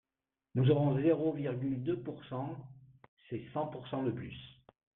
Nous aurons zéro virgule deux pourcent, c’est cent pourcent de plus